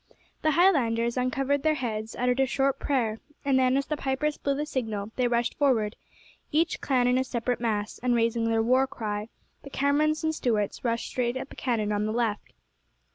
The Highlanders uncovered their heads, uttered a short prayer, and then as the pipers blew the signal they rushed forward, each clan in a separate mass, and raising their war cry, the Camerons and Stuarts rushed straight at the cannon on the left.